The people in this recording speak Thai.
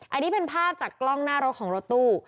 อันนี้เป็นภาพจากกล้องหน้ารถของรถตู้